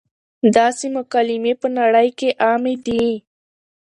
داسې مکالمې پۀ نړۍ کښې عامې دي -